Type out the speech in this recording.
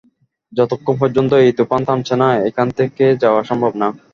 যতক্ষন পর্যন্ত এই তুফান থামছে না এখান থেকে যাওয়া সম্ভব না।